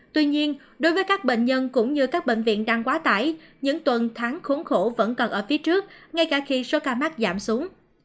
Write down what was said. tuy nhiên đối với các bệnh nhân cũng như các bệnh viện đang quá tải những tuần tháng khốn khổ vẫn còn ở phía trước ngay cả khi số ca mắc giảm xuống